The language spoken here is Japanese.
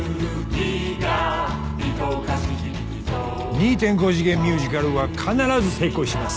２．５次元ミュージカルは必ず成功します。